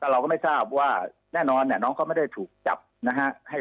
เราก็ไม่ทราบว่าแน่นอนน้องเขาไม่ได้ถูกจับนะฮะ